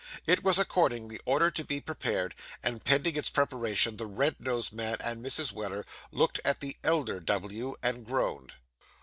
It was accordingly ordered to be prepared, and pending its preparation the red nosed man and Mrs. Weller looked at the elder W. and groaned.